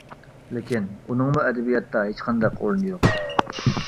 لېكىن ئۇنىڭمۇ ئەدەبىياتتا ھېچقانداق ئورنى يوق.